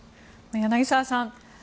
柳澤さん